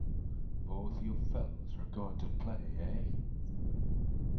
Both you fellows are going to play, eh?